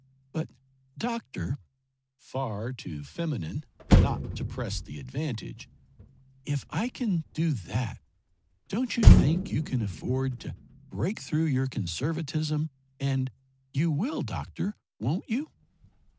But, doctor," far too feminine not to press the advantage "if I can do that, don't you think you can afford to break through your conservatism and you will, doctor, won't you?"